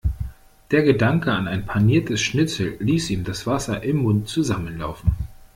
Der Gedanke an ein paniertes Schnitzel ließ ihm das Wasser im Mund zusammenlaufen.